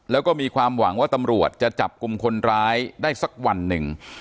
แล้วก็มีความหวังว่าตำรวจจะจับกลุ่มคนร้ายได้สักวันหนึ่ง